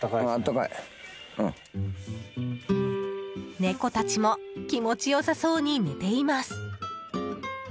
猫たちも気持ち良さそうに寝ています。